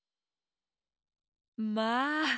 まあ！